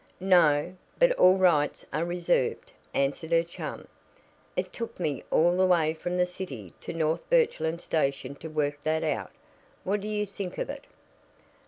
"No; but all rights are reserved," answered her chum. "It took me all the way from the city to North Birchland station to work that out. What do you think of it?"